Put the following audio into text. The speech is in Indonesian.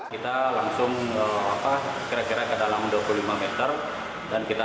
kita langsung kira kira ke dalam dua puluh lima meter dan kita